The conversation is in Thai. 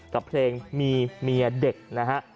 กับเพลงมีเมียเด็กนะฮะ